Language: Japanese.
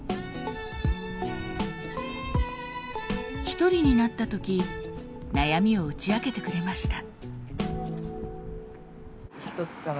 一人になった時悩みを打ち明けてくれました。